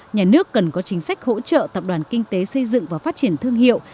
nhà nước cần có chính sách hỗ trợ tập đoàn kinh tế xây dựng và phát triển thương hiệu